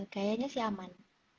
kayaknya sih aman